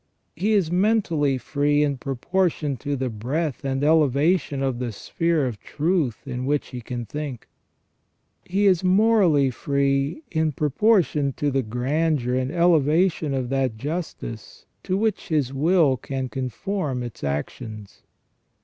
He is mentally free in proportion to the breadth and elevation of the sphere of truth in which he can think. He is morally free in proportion to the grandeur and elevation of that justice to which his will can conform its actions.